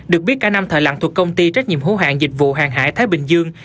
được biết cả năm thợ lặng thuộc công ty trách nhiệm hữu hạng dịch vụ hàng hải thái bình dương